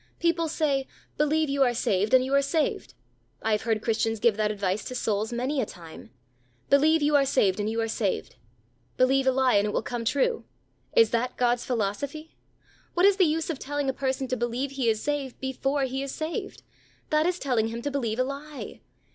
People say, "Believe you are saved, and you are saved." I have heard Christians give that advice to souls many a time. "Believe you are saved, and you are saved." Believe a lie, and it will come true. Is that God's philosophy? What is the use of telling a person to believe he is saved before he is saved? That is telling him to believe a lie.